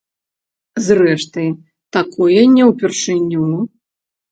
Зрэшты, такое не ўпершыню.